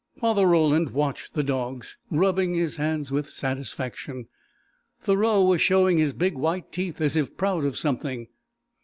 Father Roland watched the dogs, rubbing his hands with satisfaction. Thoreau was showing his big, white teeth, as if proud of something.